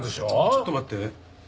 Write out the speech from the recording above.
ちょっと待って。